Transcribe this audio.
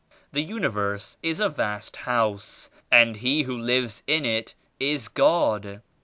The Universe is a vast House and He who lives in it is God.